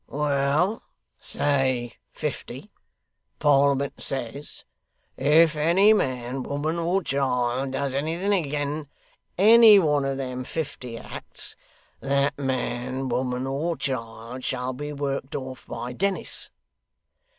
'Well, say fifty. Parliament says, "If any man, woman, or child, does anything again any one of them fifty acts, that man, woman, or child, shall be worked off by Dennis."